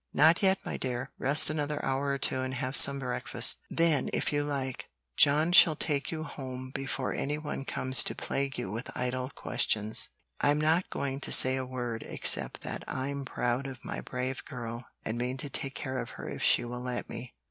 "Not yet, my dear; rest another hour or two and have some breakfast. Then, if you like, John shall take you home before any one comes to plague you with idle questions. I'm not going to say a word, except that I'm proud of my brave girl, and mean to take care of her if she will let me."